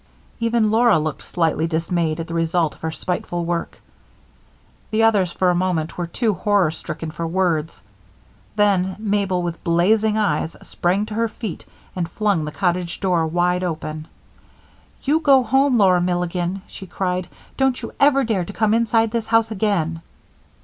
Even Laura looked slightly dismayed at the result of her spiteful work. The others for a moment were too horror stricken for words. Then Mabel, with blazing eyes, sprang to her feet and flung the cottage door wide open. "You go home, Laura Milligan!" she cried. "Don't you ever dare to come inside this house again!"